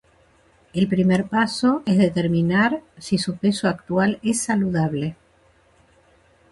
El primer paso es determinar si su peso actual es saludable